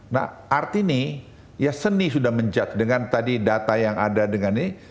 nah art ini ya seni sudah menjudge dengan tadi data yang ada dengan ini